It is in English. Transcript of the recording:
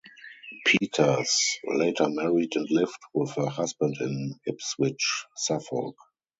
Peters later married and lived with her husband in Ipswich, Suffolk.